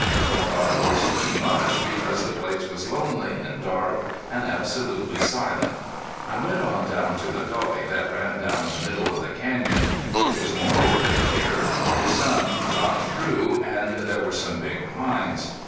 I thought it was too much because the place was lonely and dark and absolutely silent. I went on down to the gully that ran down the middle of the canyon. It was more open here. The sun got through, and there were some big pines.